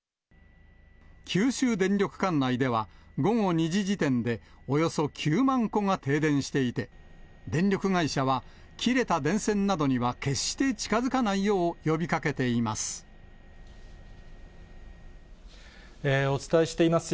九州電力管内では、午後２時時点でおよそ９万戸が停電していて、電力会社は、切れた電線などには決して近づかないよう呼びかけています。